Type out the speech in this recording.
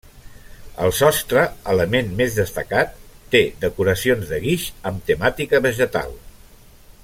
El sostre, element més destacat, té decoracions de guix amb temàtica vegetal.